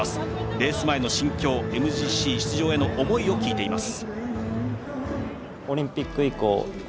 レース前の心境、ＭＧＣ出場への思いを聞いています。